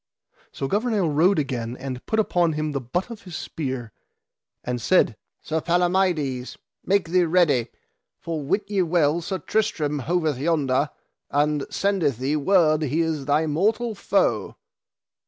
So Gouvernail rode again and put upon him the butt of his spear, and said: Sir Palamides, make thee ready, for wit ye well Sir Tristram hoveth yonder, and sendeth thee word he is thy mortal foe.